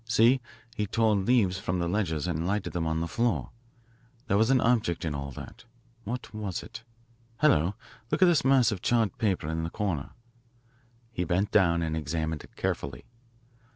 See, he tore leaves from the ledgers and lighted them on the floor. There was an object in all that. What was it? Hello! Look at this mass of charred paper in the corner." He bent down and examined it carefully.